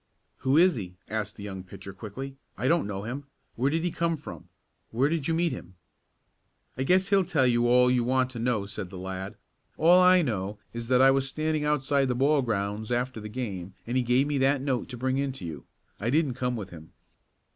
"Who is he?" asked the young pitcher quickly. "I don't know him. Where did he come from? Where did you meet him?" "I guess he'll tell you all you want to know," said the lad. "All I know is that I was standing outside the ball grounds after the game, and he give me that note to bring in to you. I didn't come with him."